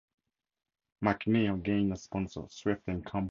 McNeil gained a sponsor, Swift and Company.